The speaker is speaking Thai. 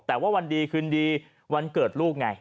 แต่ว่าวันดีคืนดีวันเกิดลูกไง